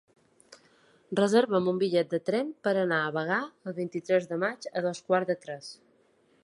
Reserva'm un bitllet de tren per anar a Bagà el vint-i-tres de maig a dos quarts de tres.